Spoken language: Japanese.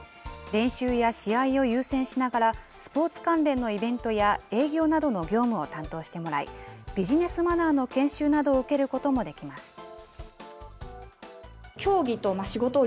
練習や試合を優先しながら、スポーツ関連のイベントや、営業などの業務を担当してもらい、ビジネスマナーの研修などを受けることもできます。